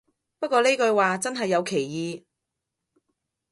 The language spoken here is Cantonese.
不過呢句話真係有歧義